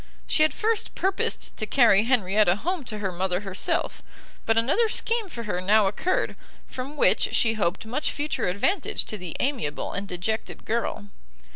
She had first purposed to carry Henrietta home to her mother herself; but another scheme for her now occurred, from which she hoped much future advantage to the amiable and dejected girl.